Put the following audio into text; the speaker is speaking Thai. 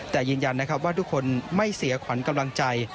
แต่ยืนยันนะครับว่าทุกคนไม่เสียขวัญกำลังใจ